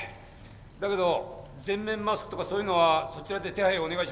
だけど全面マスクとかそういうのはそちらで手配お願いしますよ。